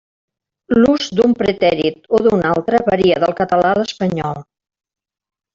L'ús d'un pretèrit o d'un altre varia del català a l'espanyol.